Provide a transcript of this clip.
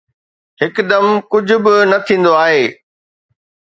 هڪدم ڪجهه به نه ٿيندو آهي